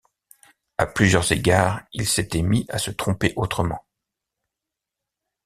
À plusieurs égards, il s’était mis à se tromper autrement.